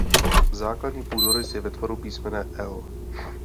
Základní půdorys je ve tvaru písmene „L“.